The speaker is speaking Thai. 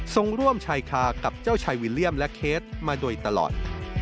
ส่งร่วมชายคากับเจ้าชายวิลเลี่ยมและเคสมาโดยตลอด